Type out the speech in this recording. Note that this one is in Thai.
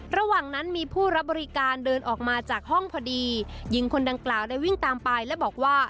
ระหว่างนั้นมีผู้รับบริการเดินออกมาจากห้องพอดีหญิงคนดังกล่าวได้วิ่งตามไปและบอกว่า